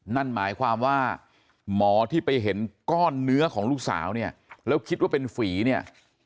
นั่นหมายความว่าหมอที่ไปเห็นก้อนเนื้อของลูกสาวเนี่ยแล้วคิดว่าเป็นฝีเนี่ย